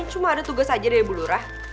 cuma ada tugas aja dari bu lurah